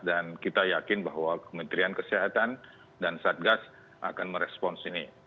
dan kita yakin bahwa kementerian kesehatan dan satgas akan merespons ini